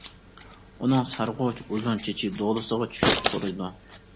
ئۇنىڭ سارغۇچ ئۇزۇن چېچى دولىسىغا چۈشۈپ تۇرىدۇ.